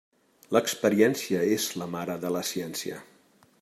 L'experiència és la mare de la ciència.